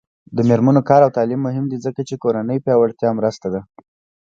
د میرمنو کار او تعلیم مهم دی ځکه چې کورنۍ پیاوړتیا مرسته ده.